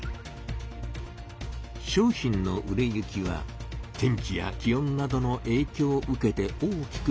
商品の売れ行きは天気や気温などのえいきょうを受けて大きく変わります。